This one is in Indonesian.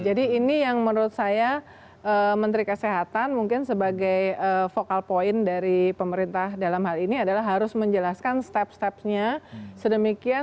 jadi ini yang menurut saya menteri kesehatan mungkin sebagai focal point dari pemerintah dalam hal ini adalah harus menjelaskan step stepnya sedemikian